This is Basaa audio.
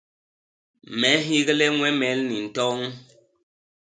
Me nhigle ñwemel ni ntoñ.